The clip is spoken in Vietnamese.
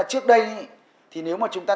trước đây thì nếu mà chúng ta